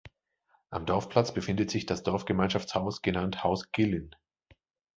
Am Dorfplatz befindet sich das Dorfgemeinschaftshaus, genannt „Haus Gillen“.